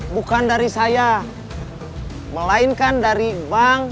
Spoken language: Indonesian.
bukan dari saya melainkan dari bang edi